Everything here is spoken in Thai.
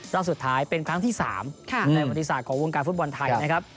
รอบสุดท้ายเป็นครั้งที่๓ในวัติศาสตร์ของวงการฟุตบอลไทยนะครับ